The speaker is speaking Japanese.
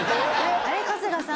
春日さん？